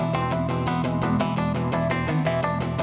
ขอโทษนะครับ